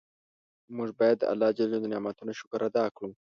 مونږ باید د الله ج د نعمتونو شکر ادا کړو.